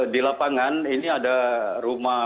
di lapangan ini ada rumah